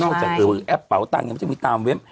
จากแอปเป๋าตังค์มันจะมีตามเว็บ